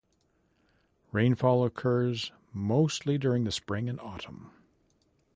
Rainfall occurs mostly during the spring and autumn.